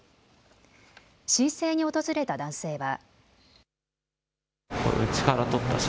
申請に訪れた男性は。